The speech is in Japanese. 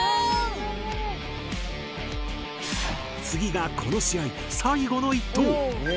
次がこの試合最後の１投。